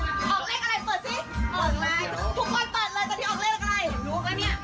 ออกเลขอะไรเปิดซิทุกคนเปิดเลยตอนนี้ออกเลขอะไร